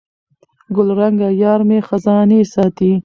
ګلرنګه یارمي خزانې ساتي